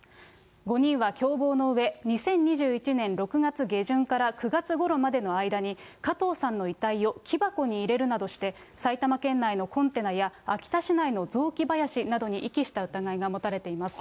５人は共謀のうえ、２０２１年６月下旬から９月ごろまでの間に、加藤さんの遺体を木箱に入れるなどして、埼玉県内のコンテナや、秋田市内の雑木林などに遺棄した疑いが持たれています。